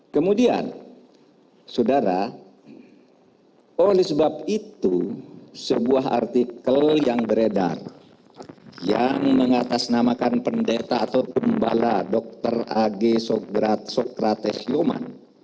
kemudian saudara oleh sebab itu sebuah artikel yang beredar yang mengatasnamakan pendeta atau pembala dr a g sokrates yoman